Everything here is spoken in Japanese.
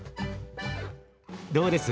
どうです？